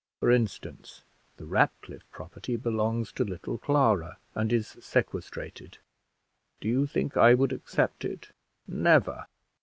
For instance, the Ratcliffe property belongs to little Clara, and is sequestrated. Do you think I would accept it? Never!